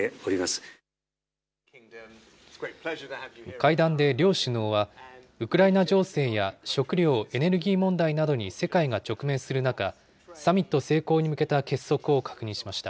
会談で両首脳は、ウクライナ情勢や食料・エネルギー問題などに世界が直面する中、サミット成功に向けた結束を確認しました。